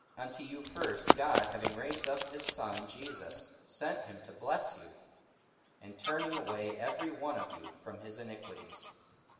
44:003:026 Unto you first God, having raised up his Son Jesus, sent him to bless you, in turning away every one of you from his iniquities.